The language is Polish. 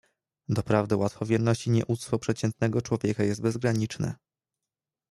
"Doprawdy łatwowierność i nieuctwo przeciętnego człowieka jest bezgraniczne."